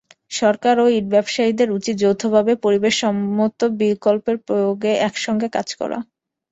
সরকার ও ইট ব্যবসায়ীদের উচিত যৌথভাবে পরিবেশসম্মত বিকল্পের প্রয়োগে একসঙ্গে কাজ করা।